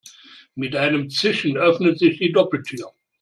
Mit einem Zischen öffnet sich die Doppeltür.